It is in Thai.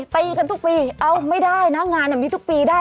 ตีกันทุกปีเอาไม่ได้นะงานมีทุกปีได้